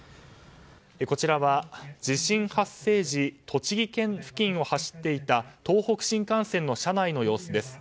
こちらは地震発生時栃木県付近を走っていた東北新幹線の車内の様子です。